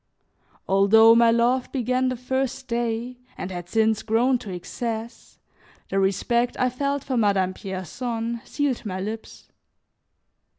Although my love began the first day and had since grown to excess, the respect I felt for Madame Pierson sealed my lips.